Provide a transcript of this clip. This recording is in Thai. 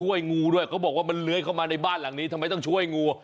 งูด้วยเขาบอกว่ามันเลื้อยเข้ามาในบ้านหลังนี้ทำไมต้องช่วยงู